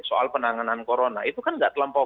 soal penanganan corona itu kan nggak terlampau